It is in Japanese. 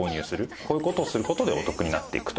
こういう事をする事でお得になっていくと。